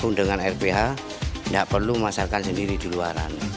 orang rph tim rph tidak perlu masyarakat sendiri di luar